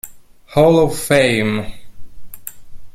Hall of Fame